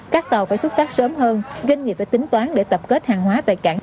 các tàu phải xuất phát sớm hơn doanh nghiệp phải tính toán để tập kết hàng hóa tại cảng